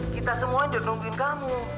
kita semuanya nungguin kamu